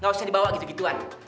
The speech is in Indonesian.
gak usah dibawa gitu gituan